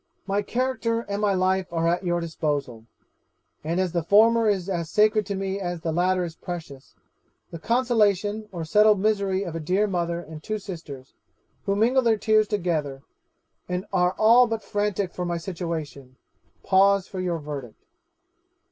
'My character and my life are at your disposal; and as the former is as sacred to me as the latter is precious, the consolation or settled misery of a dear mother and two sisters, who mingle their tears together, and are all but frantic for my situation pause for your verdict.